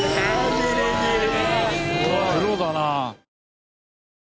プロだな。